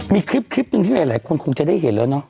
มีคลิปตึงที่หลายคนคงจะได้เห็นแล้ว